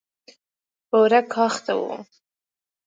بوره کاخته وه.